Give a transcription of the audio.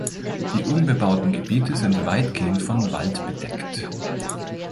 Die unbebauten Gebiete sind weitgehend von Wald bedeckt.